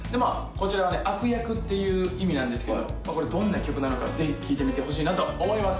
こちらはね悪役っていう意味なんですけどこれどんな曲なのかぜひ聴いてみてほしいなと思います